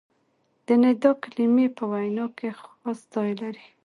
د ندا کلیمې په وینا کښي خاص ځای لري.